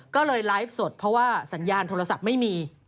ก็เลยไลฟ์สดเพราะว่าสัญญาณโทรศัพท์ไม่มี